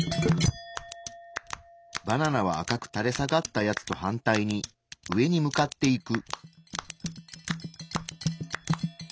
バナナは赤くたれ下がったやつと反対に上に向かっていく。